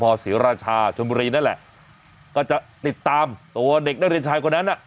พอศรีราชาชนบุรีนั่นแหละก็จะติดตามตัวเด็กนักเรียนชายคนนั้นน่ะ